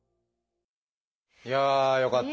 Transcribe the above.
いやあよかった！